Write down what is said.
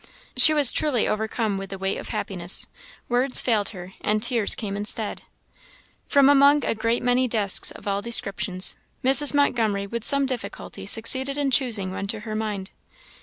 She was truly overcome with the weight of happiness. Words failed her, and tears came instead. From among a great many desks of all descriptions, Mrs. Montgomery with some difficulty succeeded in choosing one to her mind.